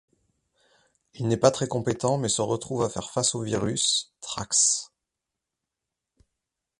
Il n'est pas très compétent mais se retrouve à faire face au virus, Thrax.